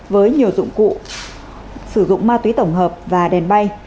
với nhiều dụng cụ sử dụng ma túy tổng hợp và đèn bay